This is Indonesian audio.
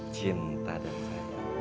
cinta dan putus asa